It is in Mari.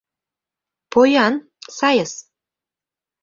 Поян — сайыс!